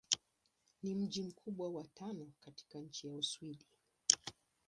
Ni mji mkubwa wa tano katika nchi wa Uswidi.